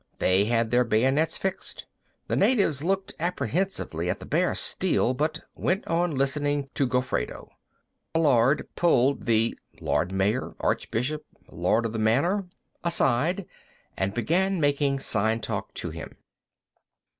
They had their bayonets fixed; the natives looked apprehensively at the bare steel, but went on listening to Gofredo. Meillard pulled the (Lord Mayor? Archbishop? Lord of the Manor?) aside, and began making sign talk to him.